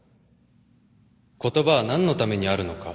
言葉は何のためにあるのか。